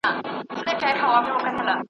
نه دوستان سته چي یې ورکړي یو جواب د اسوېلیو .